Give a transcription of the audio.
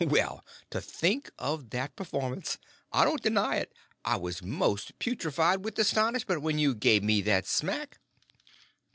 Well, to think of that performance! I don't deny it, I was most putrified with astonishment when you give me that smack."